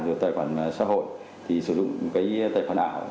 rồi tài khoản xã hội thì sử dụng cái tài khoản ảo